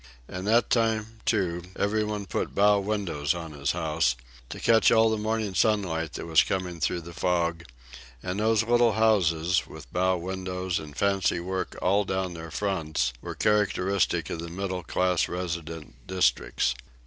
In that time, too, every one put bow windows on his house, to catch all of the morning sunlight that was coming through the fog, and those little houses, with bow windows and fancy work all down their fronts, were characteristic of the middle class residence districts.